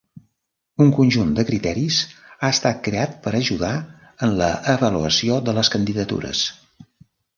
Un conjunt de criteris ha estat creat per ajudar en l'avaluació de les candidatures.